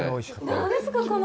何ですか、この。